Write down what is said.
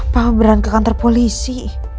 papa beran ke kantor polisi